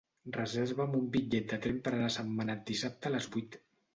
Reserva'm un bitllet de tren per anar a Sentmenat dissabte a les vuit.